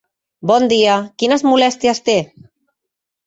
Bon dia, quines molèsties té?